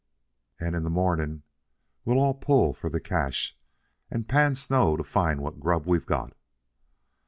"And in the morning we all'll pull for the cache and pan snow to find what grub we've got."